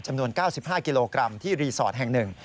จำนวน๙๕กิโลกรัมที่รีสอร์ทแห่ง๑